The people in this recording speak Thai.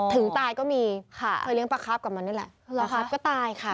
ถึงตายก็มีค่ะเคยเลี้ยปลาครับกับมันนี่แหละปลาครับก็ตายค่ะ